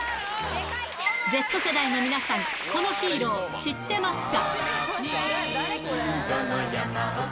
Ｚ世代の皆さん、このヒーロー、知ってますか？